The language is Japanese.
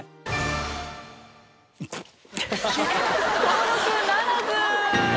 登録ならず。